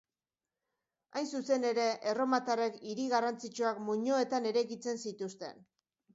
Hain zuzen ere, erromatarrek hiri garrantzitsuak muinoetan eraikitzen zituzten.